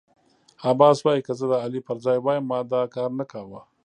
عباس وايی که زه د علي پر ځای وای ما دا کارنه کاوه.